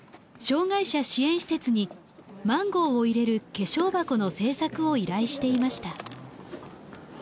障がい者支援施設にマンゴーを入れる化粧箱の製作を依頼していました。